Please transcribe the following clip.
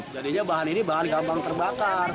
jadinya bahan ini bahan gampang terbakar